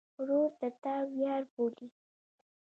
ورور د تا ویاړ بولې.